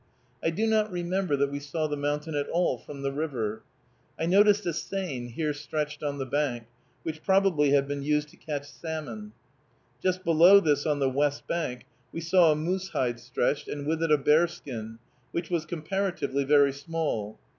I do not remember that we saw the mountain at all from the river. I noticed a seine here stretched on the bank, which probably had been used to catch salmon. Just below this, on the west bank, we saw a moose hide stretched, and with it a bearskin, which was comparatively very small.